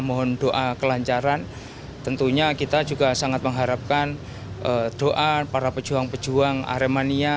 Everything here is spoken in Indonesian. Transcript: mohon doa kelancaran tentunya kita juga sangat mengharapkan doa para pejuang pejuang aremania